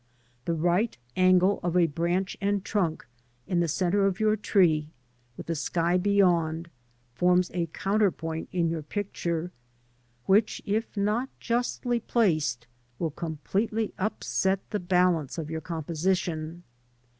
The right angle of a branch and trunk, in the centre of your tree, with the sky beyond, forms a counterpoint in your picture, which, if not justly placed, will completely upset the balance of your composition.